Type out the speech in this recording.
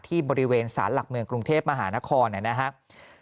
ที่บริเวณสารหลักเมืองกรุงเทพมหานครนะครับ